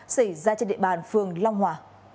xảy ra trên địa bàn phường long hòa